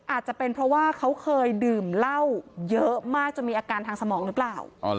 อาจจะเป็นเพราะว่าเขาเคยดื่มเหล้าเยอะมากจนมีอาการทางสมองหรือเปล่า